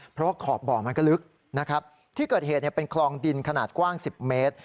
เพราะว่าขอบบ่อมันก็ลึกนะครับที่เกิดเหตุเป็นคลองดินขนาดกว้าง๑๐เมตร